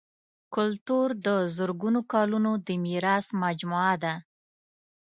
کلتور د زرګونو کلونو د میراث مجموعه ده.